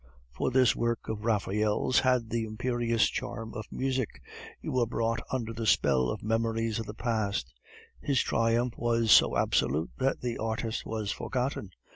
For this work of Raphael's had the imperious charm of music; you were brought under the spell of memories of the past; his triumph was so absolute that the artist was forgotten.